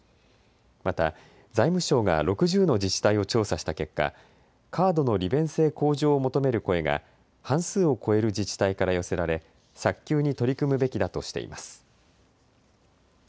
また財務省が６０の自治体を調査した結果、カードの利便性向上を求める声が半数を超える自治体から寄せられ早急に取り組むべきだとしています。